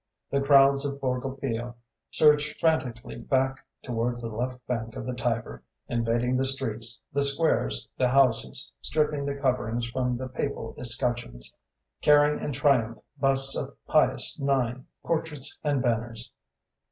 The crowds of Borgo Pio surged frantically back towards the left bank of the Tiber, invading the streets, the squares, the houses, stripping the coverings from the papal escutcheons, carrying in triumph busts of Pius IX., portraits and banners.